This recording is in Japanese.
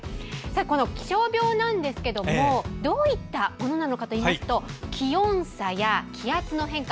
この気象病ですけれどもどういったものかといいますと気温差や気圧の変化